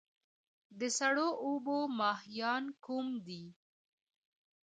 د سړو اوبو ماهیان کوم دي؟